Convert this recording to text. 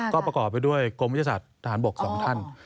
ก็ประกอบไปด้วยกรมวิทยาศาสตร์ทหารบก๒ท่าน